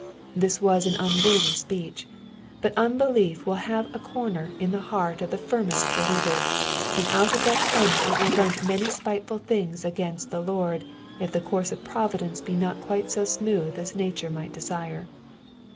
This was an unworthy speech ; but unbelief will have a comer in the heart of the firmest believer, and out of that comer it will vent many spiteful things against the Lord if the course of providence be not quite su smooth as nature might desire.